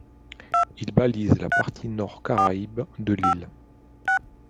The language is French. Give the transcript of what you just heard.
Il balise la partie nord caraïbe de l'île.